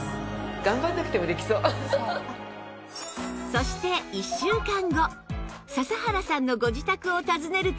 そして１週間後笹原さんのご自宅を訪ねると